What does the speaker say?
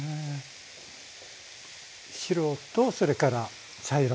白とそれから茶色の。